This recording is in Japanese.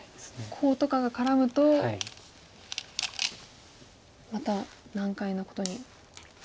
コウとかが絡むとまた難解なことに。